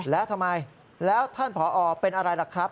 แล้วทำไมแล้วท่านผอเป็นอะไรล่ะครับ